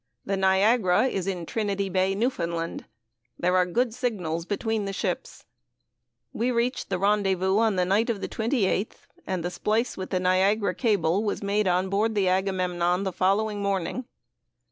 The Niagara is in Trinity Bay, Newfoundland. There are good signals between the ships. We reached the rendezvous on the night of the 28th, and the splice with the Niagara cable was made on board the Agamemnon the following morning.